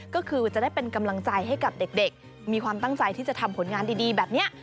ก็คือจะได้เป็นกำลังใจให้กับเด็กมีความตั้งใจที่จะทำผลงานดีแบบนี้